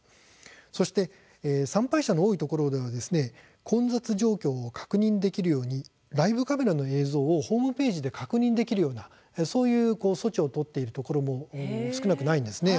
そして参拝者の多いところでは混雑状況を確認できるようにライブカメラの映像をホームページで確認できるようなそういう措置を取っているところも少なくないんですね。